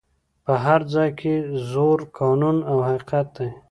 په هر ځای کي زور قانون او حقیقت دی